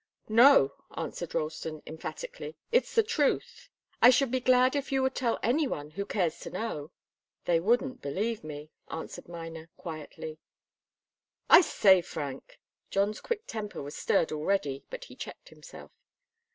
"No," answered Ralston, emphatically. "It's the truth. I should be glad if you would tell any one who cares to know." "They wouldn't believe me," answered Miner, quietly. "I say, Frank " John's quick temper was stirred already, but he checked himself.